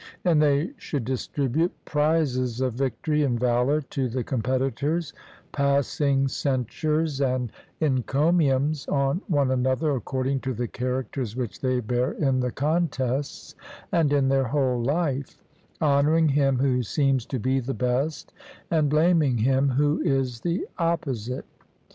And they should distribute prizes of victory and valour to the competitors, passing censures and encomiums on one another according to the characters which they bear in the contests and in their whole life, honouring him who seems to be the best, and blaming him who is the opposite.